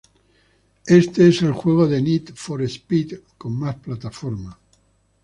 Este es el juego de Need for Speed con más plataformas.